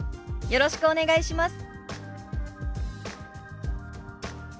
よろしくお願いします。